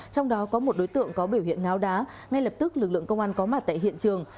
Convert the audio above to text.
trong đó có một đối tượng có biểu hiện ngáo đá ngay lập tức lực lượng công an có mặt tại hiện trường